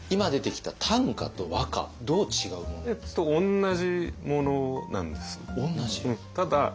同じものなんです。